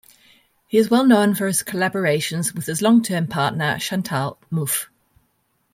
He is well known for his collaborations with his long-term partner, Chantal Mouffe.